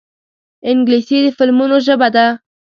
انګلیسي د فلمونو ژبه ده